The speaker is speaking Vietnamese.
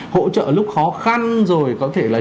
hỗ trợ lúc khó khăn rồi có thể là